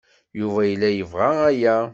Yuba yella yebɣa aya.